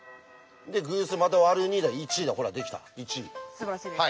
すばらしいです。